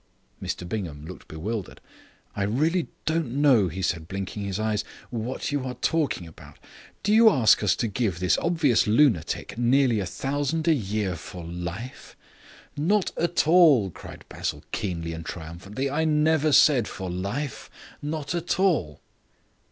Mr Bingham looked bewildered. "I really don't know," he said, blinking his eyes, "what you are talking about. Do you ask us to give this obvious lunatic nearly a thousand a year for life?" "Not at all," cried Basil, keenly and triumphantly. "I never said for life. Not at all."